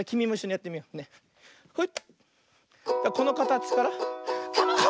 このかたちから。